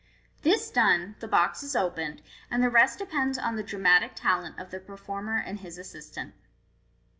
This done, the box is opened, and the rest depends on the dramatic talent of the performer and his assistant.